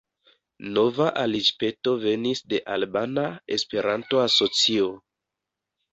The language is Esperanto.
Nova aliĝpeto venis de Albana Esperanto-Asocio.